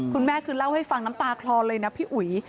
คุณแม่คือเล่าให้ฟังน้ำตาคลอเลยนะพี่อุ๋ย